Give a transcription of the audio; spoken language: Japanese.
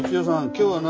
今日は何？